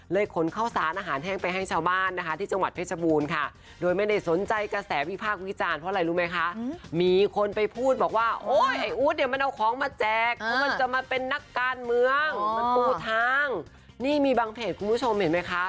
เลยขนเข้าซานอาหารแห้งไปให้ชาวบ้านนะคะ